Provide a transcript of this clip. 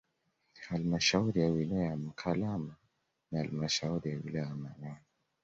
Halmashauri ya wilaya ya Mkalama na halmashauri ya wilaya ya Manyoni